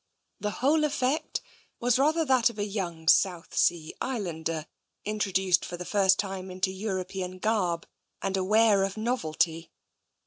The whole effect was rather that of a young South Sea Islander introduced for the first time into Euro pean garb and aware of novelty.